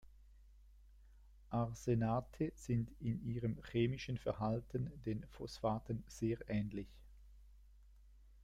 Arsenate sind in ihrem chemischen Verhalten den Phosphaten sehr ähnlich.